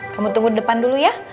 kamu tunggu depan dulu ya